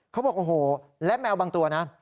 เขาบอกโอ้โหและแมวบางตัวนะ